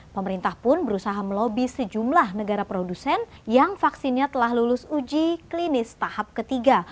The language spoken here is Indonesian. pemerintah pun berusaha melobi sejumlah negara produsen yang vaksinnya telah lulus uji klinis tahap ketiga